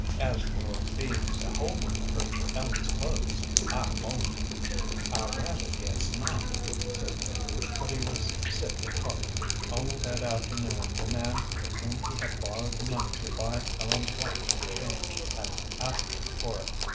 As for being beholden to her for Ellen's clothes, I won't." "I rather guess not," said Andrew, but he was sick at heart. Only that afternoon the man from whom he had borrowed the money to buy Ellen's watch and chain had asked him for it.